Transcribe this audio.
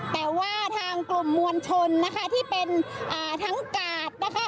แต่ว่าทางกลุ่มมวลชนนะคะที่เป็นอ่าทั้งกาดนะคะ